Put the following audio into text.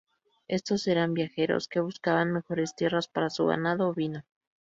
Estos eran viajeros que buscaban mejores tierras para su ganado ovino.